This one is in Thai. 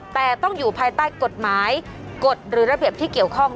แต่ต้องอยู่ภายใต้กฎหมายกฎหรือระเบียบที่เกี่ยวข้อง